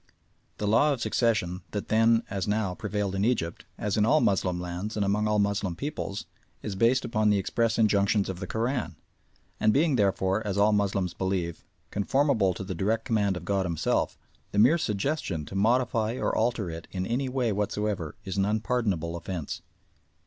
The law of succession that then, as now, prevailed in Egypt, as in all Moslem lands and amongst all Moslem peoples, is based upon the express injunctions of the Koran, and being therefore, as all Moslems believe, conformable to the direct command of God Himself, the mere suggestion to modify or alter it in any way whatever is an unpardonable offence.